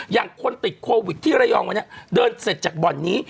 อย่างคนติดโควิดที่ใหญี่องมั้ยเดินเสร็จจากบ่อนด์นี้